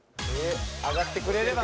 上がってくれれば。